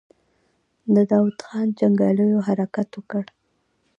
د داوود خان جنګياليو حرکت وکړ.